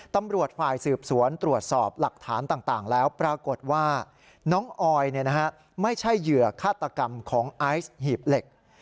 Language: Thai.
ตำรวจฝ่ายสืบสวนตรวจสอบหลักฐานต่างแล้วปรากฏว่าน้องออยไม่ใช่เหยื่อฆาตกรรมของไอซ์หีบเหล็ก